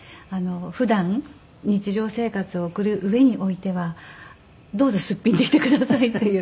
普段日常生活を送る上においてはどうぞスッピンでいてくださいっていう。